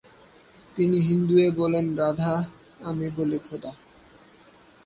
তিনি বলেন,' হিন্দুয়ে বলে তোমায় রাধা, আমি বলি খোদা'।